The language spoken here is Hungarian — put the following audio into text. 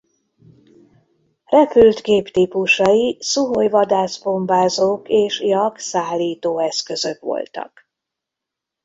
Repült géptípusai Szuhoj vadászbombázók és Jak szállító eszközök voltak.